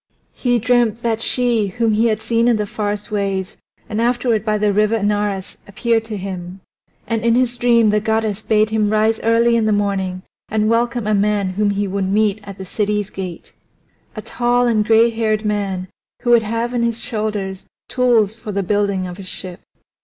He dreamt that she whom he had seen in the forest ways and afterward by the River Anaurus appeared to him. And in his dream the goddess bade him rise early in the morning and welcome a man whom he would meet at the city's gate a tall and gray haired man who would have on his shoulders tools for the building of a ship.